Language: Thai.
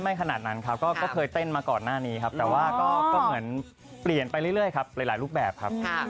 ขนาดนั้นครับก็เคยเต้นมาก่อนหน้านี้ครับแต่ว่าก็เหมือนเปลี่ยนไปเรื่อยครับหลายรูปแบบครับ